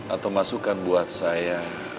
atau masukan buat saya